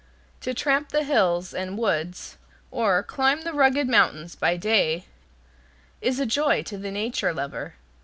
To tramp the hills and woods, or climb the rugged mountains by day, is a joy to the nature lover.